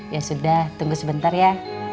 ya sudah tunggu sebentar ya